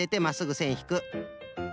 せんひく。